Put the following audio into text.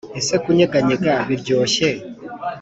ese kunyeganyega, biryoshye,